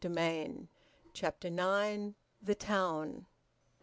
VOLUME ONE, CHAPTER NINE. THE TOWN.